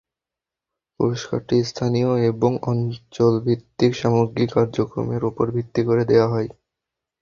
পুরস্কারটি স্থানীয় এবং অঞ্চলভিত্তিক সামগ্রিক কার্যক্রমের ওপর ভিত্তি করে দেওয়া হয়।